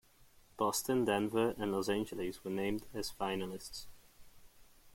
Boston, Denver and Los Angeles were named as finalists.